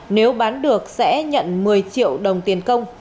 nếu bán được sẽ nhận một mươi triệu đồng tiền công